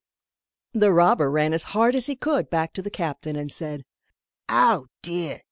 The robber ran as hard as he could, back to the captain, and said: "Oh, dear!